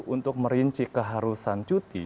untuk merinci keharusan cuti